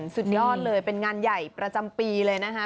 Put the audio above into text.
สุดยอดเลยเป็นงานใหญ่ประจำปีเลยนะคะ